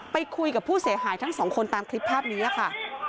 ไปคุยกับผู้เสียหายทั้งสองคนตามคลิปภาพนี้ค่ะ